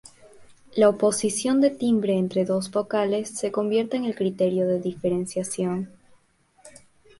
La oposición de timbre entre dos vocales se convierte en el criterio de diferenciación.